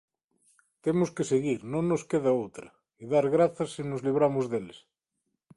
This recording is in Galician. Temos que seguir, non nos queda outra, e dar grazas se nos libramos deles.